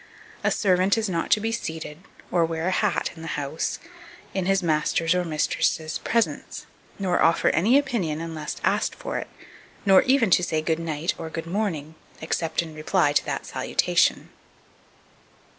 A servant is not to be seated, or wear a hat in the house, in his master's or mistress's presence; nor offer any opinion, unless asked for it; nor even to say "good night," or "good morning," except in reply to that salutation.